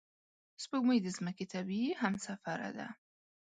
سپوږمۍ د ځمکې طبیعي همسفره ده